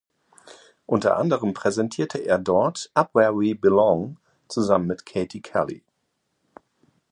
Unter anderem präsentierte er dort "Up Where We Belong" zusammen mit Kathy Kelly.